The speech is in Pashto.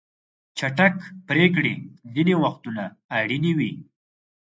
چټک پریکړې ځینې وختونه اړینې وي.